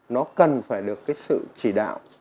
nó cần phải được cái sự chỉ đạo